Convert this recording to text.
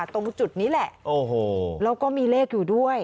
ตรงจุดนี้แหละโอ้โหแล้วก็มีเลขอยู่ด้วย